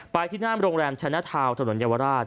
ไปที่หน้าโรงแรมชนะทาวน์ถนนเยาวราช